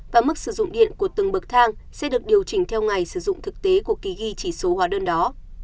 và mức sử dụng điện của từng bậc thang sẽ được điều chỉnh theo ngày sử dụng thực tế của kỳ ghi chỉ số hóa đơn đó